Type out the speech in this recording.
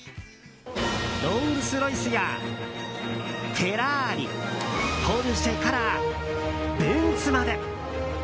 ロールスロイスやフェラーリポルシェからベンツまで。